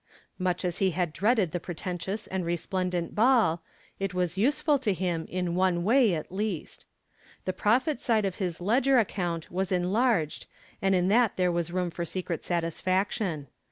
Much as he had dreaded the pretentious and resplendent ball, it was useful to him in one way at least. The "profit" side of his ledger account was enlarged and in that there was room for secret satisfaction.